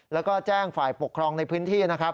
แล้วก็แจ้งฝ่ายปกครองในพื้นที่